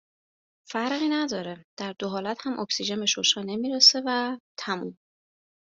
فرقی نداره در دو حالت هم اکسیژن به ششها نمیرسه و تموم